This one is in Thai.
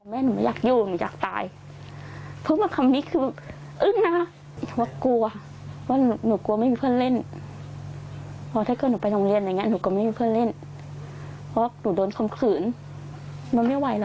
แล้วคือเด็กก็พูดตามความจริงเท่าที่โดนมาแต่ว่าเด็กก็ไม่ได้